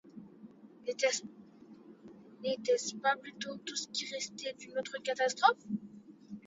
N’était-ce pas plutôt tout ce qui restait d’une autre catastrophe ?